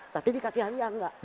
tapi dikasih hadiah enggak